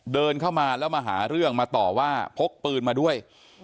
เดินเข้ามาแล้วมาหาเรื่องมาต่อว่าพกปืนมาด้วย